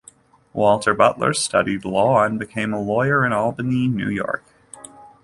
Walter Butler studied law, and became a lawyer in Albany, New York.